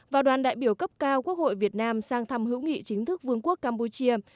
và đoàn đại biểu cấp cao quốc hội việt nam sang thăm hữu nghị chính thức vương quốc campuchia